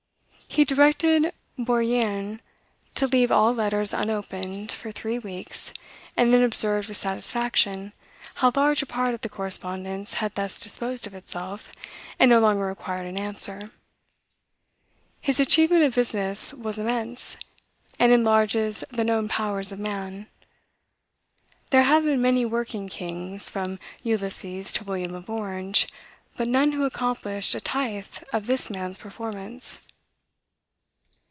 He directed Bourienne to leave all letters unopened for three weeks, and then observed with satisfaction how large a part of the correspondence had thus disposed of itself, and no longer required an answer. His achievement of business was immense, and enlarges the known powers of man. There have been many working kings, from Ulysses to William of Orange, but none who accomplished a tithe of this man's performance.